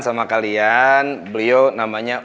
sama kalian beliau namanya